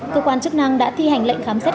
cơ quan chức năng đã thi hành lệnh khám xét